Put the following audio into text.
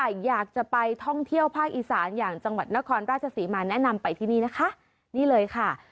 ใครอยากจะไปท่องเที่ยวภาคอีสานอย่างจังหวัดนครราชศรีมาแนะนำไปที่นี่นะคะนี่เลยค่ะ